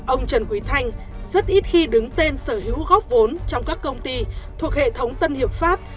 ông trần quý thanh rất ít khi đứng tên sở hữu góp vốn trong các công ty thuộc hệ thống tân hiệp pháp